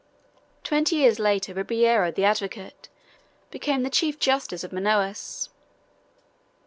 Twenty years later Ribeiro the advocate became the chief justice of Manaos.